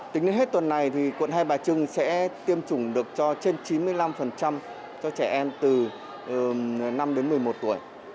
tính đến hết tuần này quận hai bà trưng sẽ tiêm chủng được cho trên chín mươi năm cho trẻ em từ năm đến một mươi một tuổi